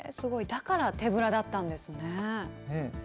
だから手ぶらだったんですね。